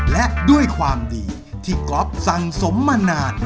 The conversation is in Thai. และด้วยความดีที่ก๊อฟสั่งสมมานาน